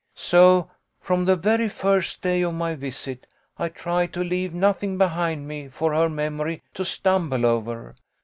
" So, from the very first day of my visit, I tried to leave nothing behind me for her memory to stumble over.